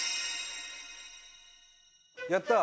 やったー！